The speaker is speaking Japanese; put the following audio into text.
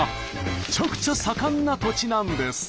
めちゃくちゃ盛んな土地なんです。